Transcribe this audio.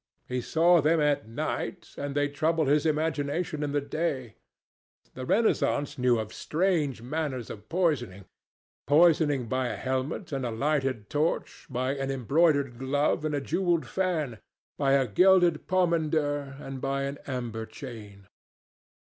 He saw them at night, and they troubled his imagination in the day. The Renaissance knew of strange manners of poisoning—poisoning by a helmet and a lighted torch, by an embroidered glove and a jewelled fan, by a gilded pomander and by an amber chain.